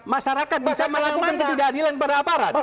masyarakat bisa melakukan ketidakadilan pada aparat